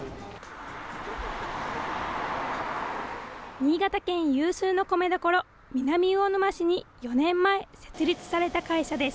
新潟県有数の米どころ、南魚沼市に４年前、設立された会社です。